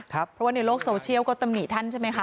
เพราะว่าในโลกโซเชียลก็ตำหนิท่านใช่ไหมคะ